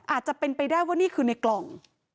อาจจะเป็นไปได้ว่านี่คือในกล่อง